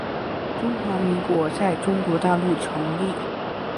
中华民国在中国大陆成立